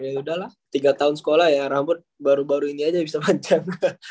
yaudah lah tiga tahun sekolah ya rambut baru baru ini aja bisa panjang